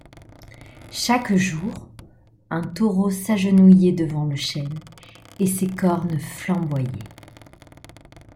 Chaque jour un taureau s'agenouillait devant le chêne et ses cornes flamboyaient.